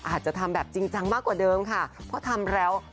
อาจจะทำแบบจริงจังมากกว่าเดิมค่ะเพราะทำแล้ว